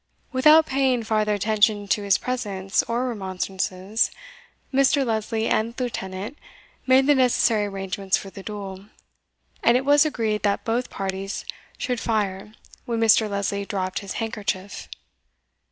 Without paying farther attention to his presence or remonstrances, Mr. Lesley and the Lieutenant made the necessary arrangements for the duel, and it was agreed that both parties should fire when Mr. Lesley dropped his handkerchief.